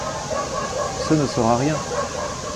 Ce ne sera rien !